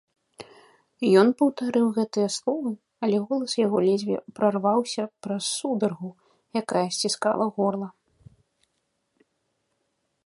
Ён паўтарыў гэтыя словы, але голас яго ледзьве прарваўся праз сударгу, якая сціскала горла.